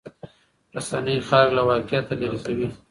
رسنۍ خلک له واقعیت لرې کوي.